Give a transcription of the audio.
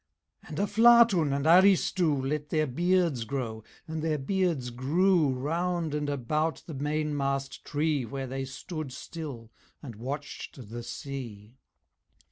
And Aflatun and Aristu Let their Beards grow, and their Beards grew Round and about the mainmast tree Where they stood still, and watched the sea.